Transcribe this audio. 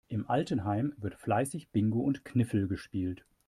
Im Altenheim wird fleißig Bingo und Kniffel gespielt.